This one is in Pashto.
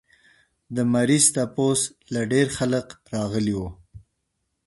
د مريض تپوس له ډېر خلق راغلي وو